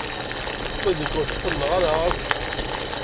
Ma d nekk ur t-ttamneɣ akk.